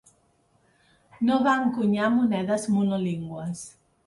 No va encunyar monedes monolingües.